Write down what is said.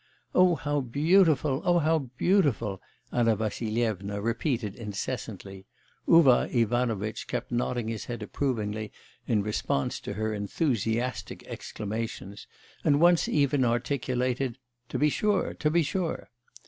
'Oh, how beautiful; oh, how beautiful!' Anna Vassilyevna repeated incessantly; Uvar Ivanovitch kept nodding his head approvingly in response to her enthusiastic exclamations, and once even articulated: 'To be sure! to be sure!